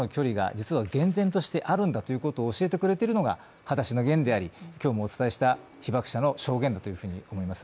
実は厳然としてあるのではないかと教えてくれるのが「はだしのゲン」であり、今日もお伝えした被爆者の証言だと思います。